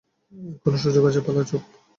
এখনো সুযোগ আছে পালা - চুপ।